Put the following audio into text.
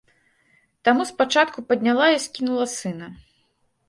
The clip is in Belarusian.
Таму спачатку падняла і скінула сына.